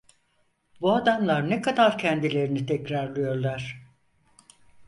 Bu adamlar ne kadar kendilerini tekrarlıyorlar...